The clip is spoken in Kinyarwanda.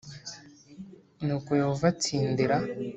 Nuko yehova atsindira